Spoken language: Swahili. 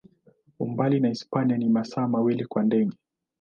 Umbali na Hispania ni masaa mawili kwa ndege.